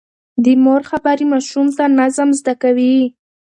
د مور خبرې ماشوم ته نظم زده کوي.